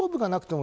も